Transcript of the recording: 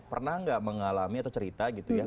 pernah nggak mengalami atau cerita gitu ya